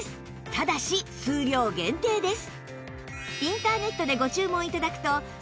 ただし数量限定です